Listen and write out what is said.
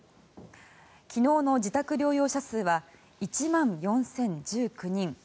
昨日の自宅療養者数は１万４０１９人。